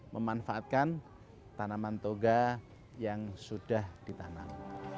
memanfaatkan tanaman toga yang sudah ditanam